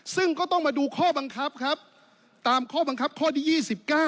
ซึ่งก็ต้องมาดูข้อบังคับครับตามข้อบังคับข้อที่๒๙